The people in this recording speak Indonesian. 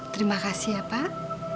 terima kasih ya pak